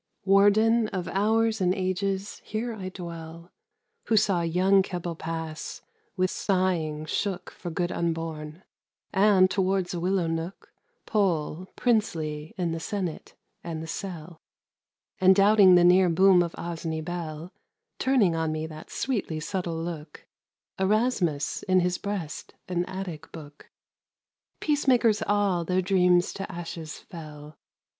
Warden of hours and ages, here I dwell, Who saw young Keble pass, with sighing shook For good unborn; and, towards a willow nook, Pole, princely in the senate and the cell; And doubting the near boom of Osney bell, Turning on me that sweetly subtile look, Erasmus, in his breast an Attic book: Peacemakers all, their dreams to ashes fell.